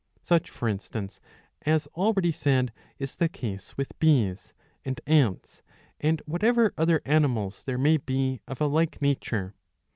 Such for instance, as already said, is the case with bees ^ and ants, and whatever other animals there may be of a like nature.